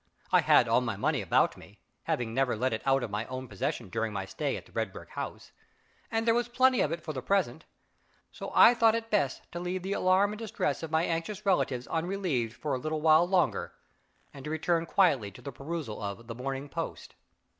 I had all my money about me (having never let it out of my own possession during my stay in the red brick house), and there was plenty of it for the present; so I thought it best to leave the alarm and distress of my anxious relatives unrelieved for a little while longer, and to return quietly to the perusal of the _ Morning Post.